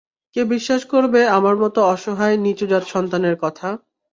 কে বিশ্বাস করবে আমার মতো অসহায় নীচু-জাত সন্তানের কথা?